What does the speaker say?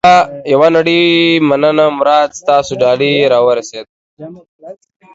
یوه نړۍ مننه مراد. ستاسو ډالۍ را ورسېده.